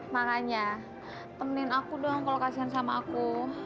makanya temenin aku dong kalau kasihan sama aku